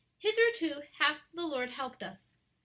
"Hitherto hath the Lord helped us."